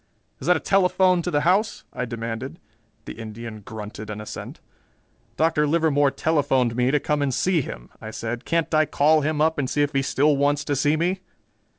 "Is that a telephone to the house?" I demanded. The Indian grunted an assent. "Dr. Livermore telephoned me to come and see him," I said. "Can't I call him up and see if he still wants to see me?"